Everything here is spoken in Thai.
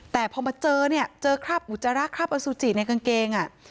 แต่พอมาเจอเนี่ยเจอคราบอุจจาระคราบอสุจิในกางเกง